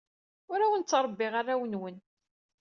Ur awen-ttṛebbiɣ arraw-nwen.